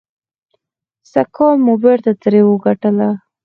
سږکال مو بېرته ترې وګټله.